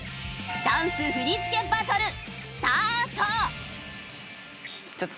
ダンス振り付けバトルスタート！